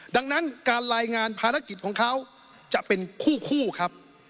ดังนั้นการรายงานภารกิจของเขาจะเป็นคู่ครับ